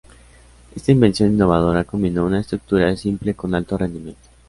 Esta invención innovadora combinó una estructura simple con alto rendimiento.